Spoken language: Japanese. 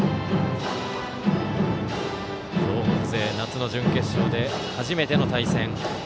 東北勢夏の準決勝で初めての対戦。